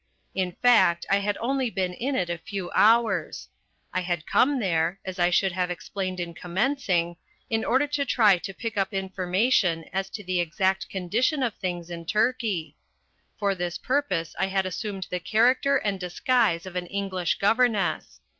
In fact, I had only been in it a few hours. I had come there as I should have explained in commencing in order to try to pick up information as to the exact condition of things in Turkey. For this purpose I had assumed the character and disguise of an English governess.